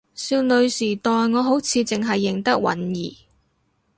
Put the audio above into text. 少女時代我好似淨係認得允兒